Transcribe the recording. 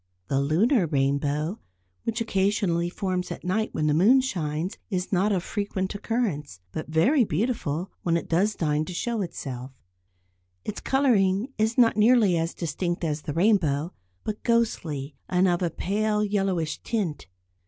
The lunar rainbow, which occasionally forms at night when the moon shines, is not of frequent occurrence, but very beautiful when it does deign to show itself. Its colouring is not nearly as distinct at the rainbow, but ghostly, and of a pale yellowish tint.